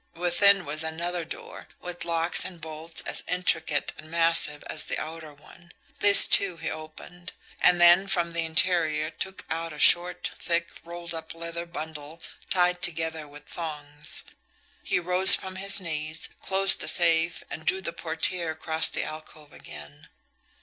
Within was another door, with locks and bolts as intricate and massive as the outer one. This, too, he opened; and then from the interior took out a short, thick, rolled up leather bundle tied together with thongs. He rose from his knees, closed the safe, and drew the portiere across the alcove again.